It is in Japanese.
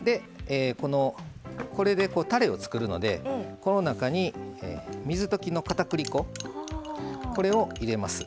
これでたれを作るのでこの中に水溶きのかたくり粉これを入れます。